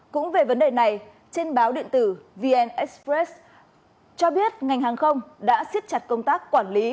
cũng về vấn đề này trên báo điện tử vn express cho biết ngành hàng không đã xiết chặt công tác quản lý